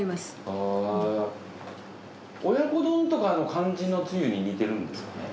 親子丼とかの感じのつゆに似てるんですか？